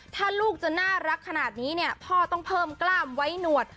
ถ้าลูกจะน่ารักขนาดนี้เนี่ยพ่อต้องเพิ่มกล้ามไว้หนวด